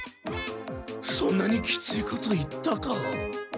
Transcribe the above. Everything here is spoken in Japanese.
そんなにキツイこと言ったか？